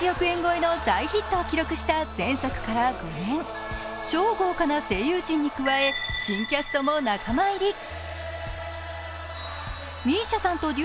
円超えの大ヒットを記録した前作から５年、超豪華な声優陣に加え、新キャストも仲間入り。